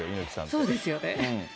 そうですよね。